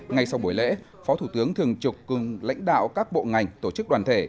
ngay sau buổi lễ phó thủ tướng thường trực cùng lãnh đạo các bộ ngành tổ chức đoàn thể